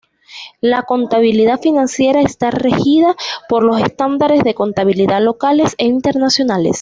La contabilidad financiera está regida por los estándares de contabilidad locales e internacionales.